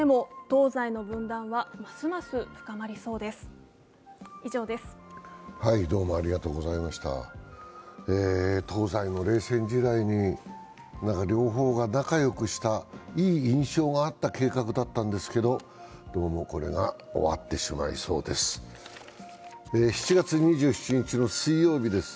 東西の冷戦時代に両方が仲よくした、いい印象があった計画だったんですけど、どうもこれが終わってしまいそうです。